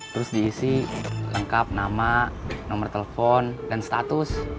terus diisi lengkap nama nomor telepon dan status